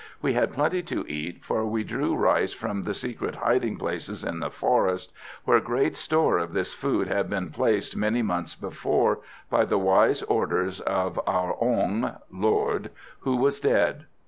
We had plenty to eat, for we drew rice from the secret hiding places in the forest, where great store of this food had been placed many months before, by the wise orders of our Ong (Lord), who was dead.